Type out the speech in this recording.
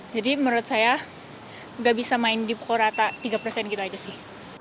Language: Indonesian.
jadi menurut saya nggak bisa main di pokok rata tiga gitu aja sih